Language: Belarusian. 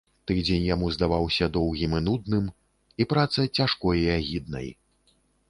Тыдзень яму здаваўся доўгім і нудным і праца цяжкой і агіднай.